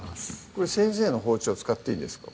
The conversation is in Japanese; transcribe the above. これ先生の包丁使っていいんですか？